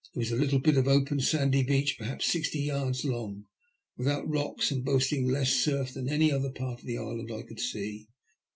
It was a little bit of open sandy beach, perhaps sixty yards long, without rocks, and boasting less surf than any other part of the island I could see.